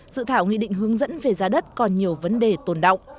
dự thảo nghị định hướng dẫn về giá đất còn nhiều vấn đề tồn động